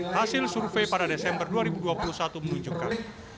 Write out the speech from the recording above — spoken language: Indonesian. hasil survei pada desember dua ribu dua puluh satu menunjukkan